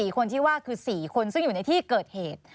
๔คนที่ว่าคือ๔คนซึ่งอยู่ในที่เกิดเหตุ